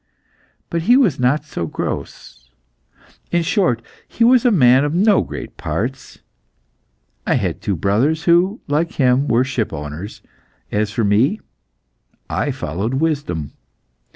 But he was not so gross. In short, he was a man of no great parts. I had two brothers, who, like him, were shipowners. As for me, I followed wisdom.